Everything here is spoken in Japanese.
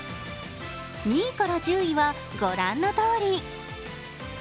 ２位から１０位は御覧のとおり。